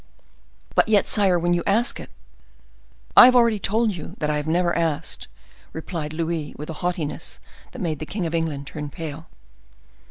"But yet, sire, when you ask it—" "I have already told you that I never asked," replied Louis with a haughtiness that made the king of England turn pale.